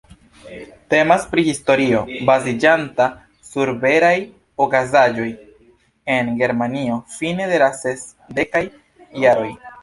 Temas pri historio, baziĝanta sur veraj okazaĵoj en Germanio fine de la sesdekaj jaroj.